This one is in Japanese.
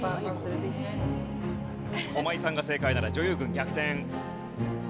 駒井さんが正解なら女優軍逆転。